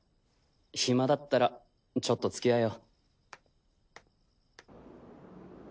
暇だったらちょっとつきあえよ。